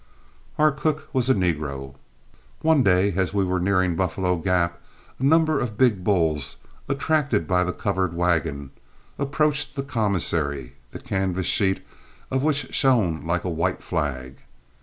Our cook was a negro. One day as we were nearing Buffalo Gap, a number of big bulls, attracted by the covered wagon, approached the commissary, the canvas sheet of which shone like a white flag.